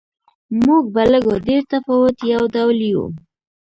موږ په لږ و ډېر تفاوت یو ډول یو.